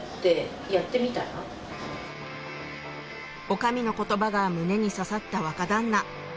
女将の言葉が胸に刺さった若旦那